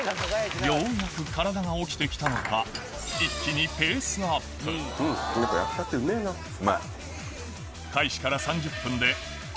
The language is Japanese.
ようやく体が起きてきたのかうまい。